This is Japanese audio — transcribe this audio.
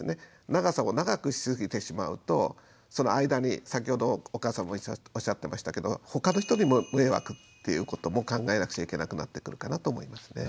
長さを長くしすぎてしまうとその間に先ほどお母さんもおっしゃってましたけどほかの人にも迷惑っていうことも考えなくちゃいけなくなってくるかなと思いますね。